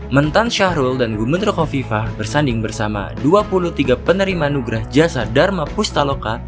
mentan syahrul dan gubernur kofifa bersanding bersama dua puluh tiga penerima nugrah jasa dharma pustaloka